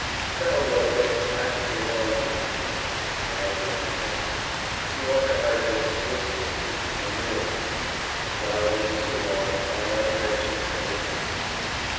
Thou, Lovelace, hast been long the entertainer; I the entertained. Nor have I been solicitous to animadvert, as thou wentest along, upon thy inventions, and their tendency.